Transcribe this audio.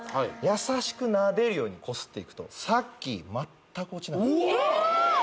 優しくなでるようにこすっていくとさっき全く落ちなかったうわっ！